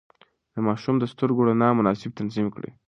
د ماشوم د سترګو رڼا مناسب تنظيم کړئ.